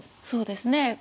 そうですね。